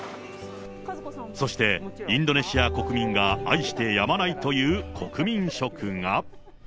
そして、インドネシア国民が愛してやまないという国民食が。